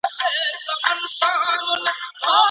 ولي محنتي ځوان د لایق کس په پرتله لاره اسانه کوي؟